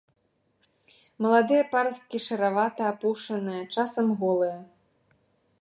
Маладыя парасткі шэравата-апушаныя, часам голыя.